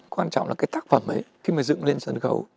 quan trọng là cái tác phẩm ấy khi mà dựng lên sân khấu